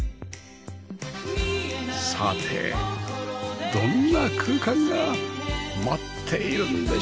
さてどんな空間が待っているんでしょうか？